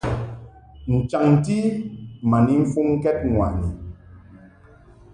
N-chaŋti ma ni mfuŋkɛd ŋwaʼni.